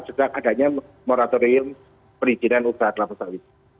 sejak adanya moratorium perizinan usaha kelapa sawit